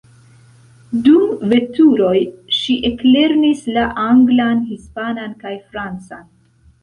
Dum veturoj, ŝi eklernis la anglan, hispanan kaj francan.